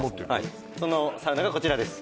そのサウナがこちらです